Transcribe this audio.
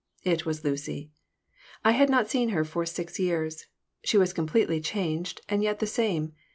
It was Lucy. I had not seen her for six years. She was completely changed and yet the same.